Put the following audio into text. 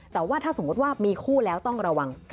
แต่ว่าถ้าสมมุติว่ามีคู่แล้วต้องระวัง